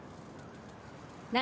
何？